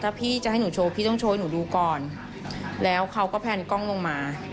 ถ้าพี่จะให้หนูโชว์พี่ต้องโชว์ให้หนูดูก่อนแล้วเขาก็แพนกล้องลงมา